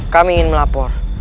kami ingin melapor